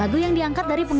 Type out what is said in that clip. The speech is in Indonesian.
aku akan berubah